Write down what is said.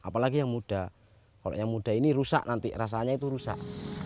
apalagi yang muda kalau yang muda ini rusak nanti rasanya itu rusak